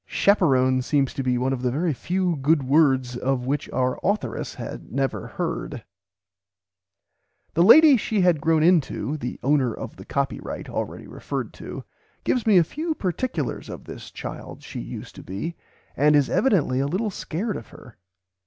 Chaperon seems to be one of the very few good words of which our authoress had never heard. The lady she had grown into, the "owner of the copyright" already referred to, gives me a few particulars of this child she used to be, and is evidently a little scared by her.